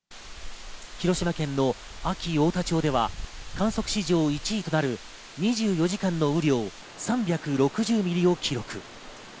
広島県の安芸太田町では観測史上１位となる２４時間の雨量、３６０ミリを記録。